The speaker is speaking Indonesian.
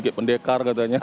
kayak pendekar katanya